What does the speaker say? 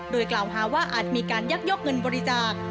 โดยกล่าวหาว่าอาจมีการยักยอกเงินบริจาค